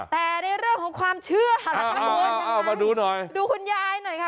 แต่ในเรื่องของความเชื่อล่ะค่ะคุณเอามาดูหน่อยดูคุณยายหน่อยค่ะ